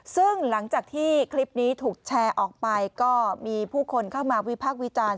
ซึ่งหลังจากที่คลิปนี้ถูกแชร์ออกไปก็มีผู้คนเข้ามาวิพากษ์วิจารณ์